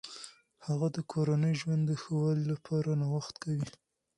هغه د کورني ژوند د ښه والي لپاره نوښت کوي.